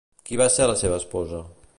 Qui va ser la seva esposa?